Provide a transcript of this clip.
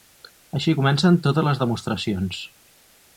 Així comencen totes les demostracions.